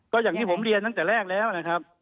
ก็อย่างที่ผมเรียนตั้งแต่แรกแล้วนะครับ